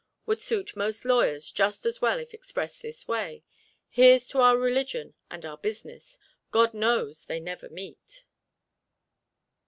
would suit most lawyers just as well if expressed this way. "Here's to our religion and our business God knows they never meet."